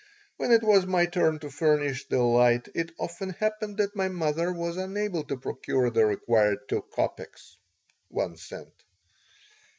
When it was my turn to furnish the light it often happened that my mother was unable to procure the required two copecks (one cent).